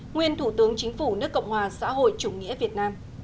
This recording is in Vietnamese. nguyên thủ tướng chính phủ nước cộng hòa xã hội chủ nghĩa việt nam